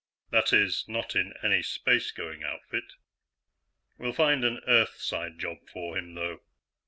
"That is, not in any space going outfit. We'll find an Earthside job for him, though.